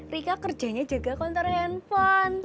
rika kerjanya jaga konter handphone